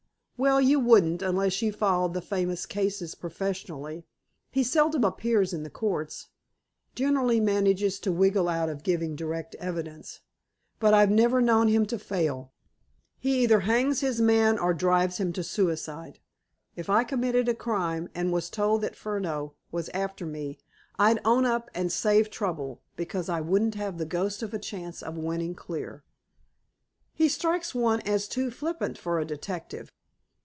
Well, you wouldn't, unless you followed famous cases professionally. He seldom appears in the courts—generally manages to wriggle out of giving direct evidence. But I've never known him to fail. He either hangs his man or drives him to suicide. If I committed a crime, and was told that Furneaux was after me, I'd own up and save trouble, because I wouldn't have the ghost of a chance of winning clear." "He strikes one as too flippant for a detective."